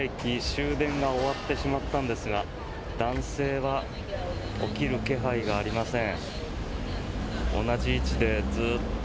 終電が終わってしまったんですが男性は起きる気配がありません。